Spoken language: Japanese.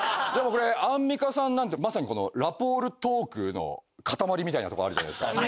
でもこれアンミカさんなんてまさにこのラポールトークの塊みたいなとこあるじゃないですか。